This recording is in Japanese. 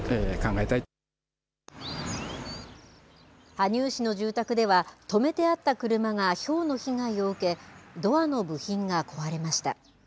羽生市の住宅では止めてあった車がひょうの被害を受けドアの部品が壊れました。